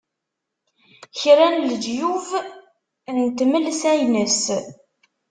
kra n leǧyub n tmelsa-ines.